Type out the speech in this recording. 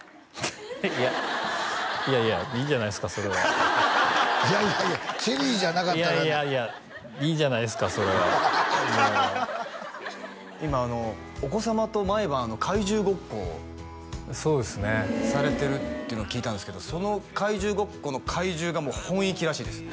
いやいやいやいいじゃないですかそれはいやいやいや「チェリー」じゃなかったらいやいやいやいいじゃないですかそれはもう今お子様と毎晩怪獣ごっこをされてるっていうのを聞いたんですけどその怪獣ごっこの怪獣がもうほんいきらしいです